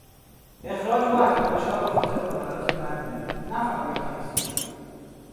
اخراج او از دانشگاه به خاطر نمرات بد بوده نه فعالیتهای سیاسی.